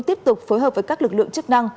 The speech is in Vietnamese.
tiếp tục phối hợp với các lực lượng chức năng